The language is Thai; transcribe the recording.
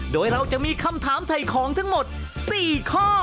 โดยจะมีคำถามไถคองทั้งหมด๔ข้อ